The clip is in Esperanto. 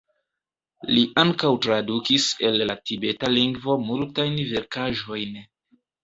Li ankaŭ tradukis el la tibeta lingvo multajn verkaĵojn.